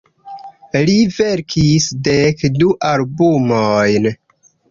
Li verkis dek du albumojn.